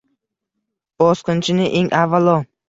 Bosqinchini eng avvalo